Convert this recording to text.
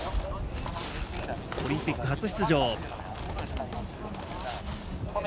オリンピック初出場。